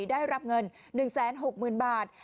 ได้รับเงิน๑๖๐๐๐บาท